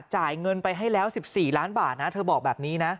จ่ายเงินไปให้แล้ว๑๔ล้านบาทนะเธอบอกแบบนี้นะ